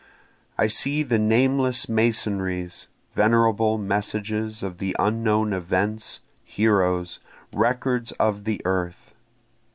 I see the nameless masonries, venerable messages of the unknown events, heroes, records of the earth.